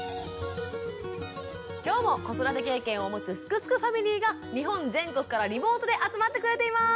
今日も子育て経験を持つ「すくすくファミリー」が日本全国からリモートで集まってくれています。